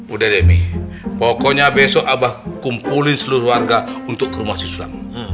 udah deh mi pokoknya besok abah kumpulin seluruh warga untuk ke rumah si sulam